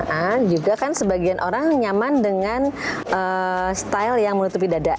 nah juga kan sebagian orang nyaman dengan style yang menutupi dada